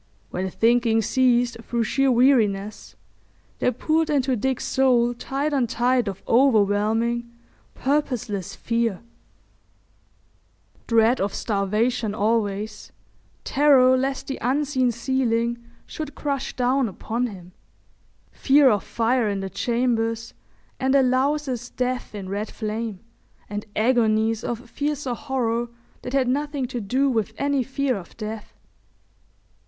When thinking ceased through sheer weariness, there poured into Dick's soul tide on tide of overwhelming, purposeless fear—dread of starvation always, terror lest the unseen ceiling should crush down upon him, fear of fire in the chambers and a louse's death in red flame, and agonies of fiercer horror that had nothing to do with any fear of death.